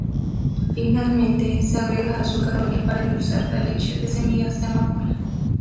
Finalmente se agrega azúcar o miel para endulzar la leche de semillas de amapola.